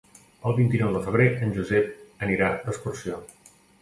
El vint-i-nou de febrer en Josep anirà d'excursió.